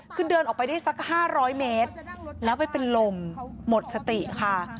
คือเดินออกไปได้สัก๕๐๐เมตรแล้วไปเป็นลมหมดสติค่ะ